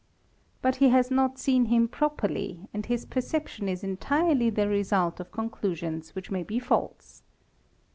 But he has not seen him properly and his perception is re! y the result of conclusions which may be false.